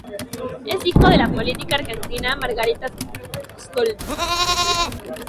Es hijo de la política argentina Margarita Stolbizer.